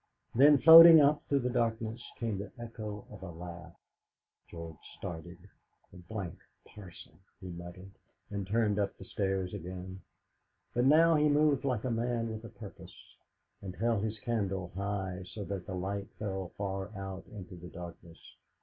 Then floating up through the darkness came the echo of a laugh. George started. "The d d parson!" he muttered, and turned up the stairs again; but now he moved like a man with a purpose, and held his candle high so that the light fell far out into the darkness.